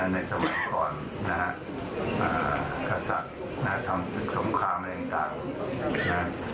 ในสวรรค์ก่อนนะฮะอ่าฆาตศักดิ์นะฮะทำสมความในจักรนะฮะ